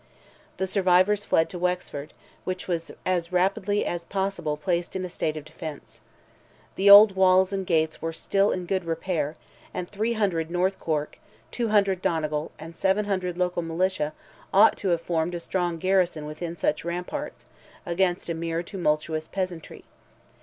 The survivors fled to Wexford, which was as rapidly as possible placed in a state of defence. The old walls and gates were still in good repair, and 300 North Cork, 200 Donegal, and 700 local militia ought to have formed a strong garrison within such ramparts, against a mere tumultuous peasantry.